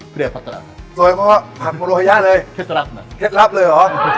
เปรียบปัตตาโซยมะผัดโมโลหย่าเลยเคล็ดลับนะเคล็ดลับเลยหรอ